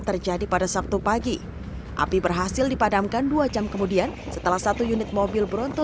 terjadi pada sabtu pagi api berhasil dipadamkan dua jam kemudian setelah satu unit mobil bronto